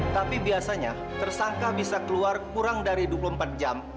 tapi biasanya tersangka bisa keluar kurang dari dua puluh empat jam